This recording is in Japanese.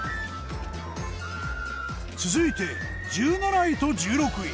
続いて１７位と１６位。